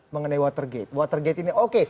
mengenai watergate watergate ini oke